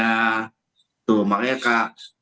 tuh makanya kalau kadang kesebutnya robi kadang kesebutnya itu